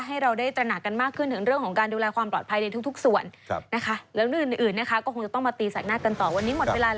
ให้เราได้ตระหนักกันมากขึ้นถึงเรื่องของการดูแลความปลอดภัยในทุกส่วน